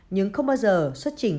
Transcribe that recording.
nhưng không bao giờ xuất trình